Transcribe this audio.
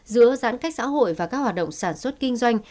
giữa giãn cách xã hội và các hoạt động sản xuất kinh doanh